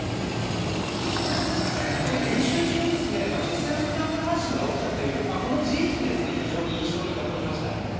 この演習中に、実際のスクランブル発進が起きたというこの事実が非常に印象に残りました。